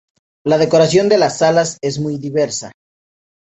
La decoración de las salas es muy diversa.